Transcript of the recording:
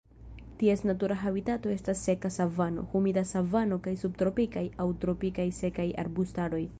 Ties natura habitato estas seka savano, humida savano kaj subtropikaj aŭ tropikaj sekaj arbustaroj.